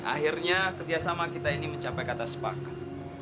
akhirnya kerjasama kita ini mencapai kata sepakat